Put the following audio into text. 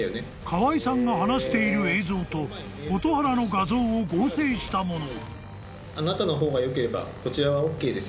［河合さんが話している映像と蛍原の画像を合成したもの］